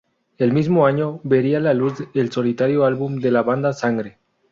El mismo año vería la luz el solitario álbum de la banda Sangre.